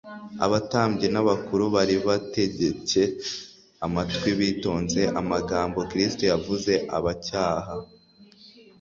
Abatambyi n'abakuru bari bategcye amatwi bitonze amagambo Kristo yavuze abacyaha.